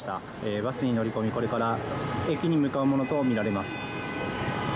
バスに乗り込みこれから駅に向かうものとみられます。